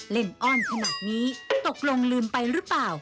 เล่นอ้อนขนาดนี้ตกลงลืมไปรึเปล่า